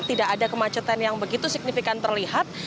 tidak ada kemacetan yang begitu signifikan terlihat